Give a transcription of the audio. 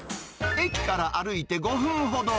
駅から歩いて５分ほど。